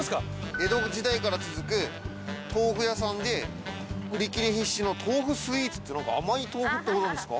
江戸時代から続く豆腐屋さんで売り切れ必至の豆腐スイーツって甘い豆腐ってご存じですか？